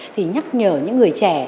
thì nhắc nhở những người trẻ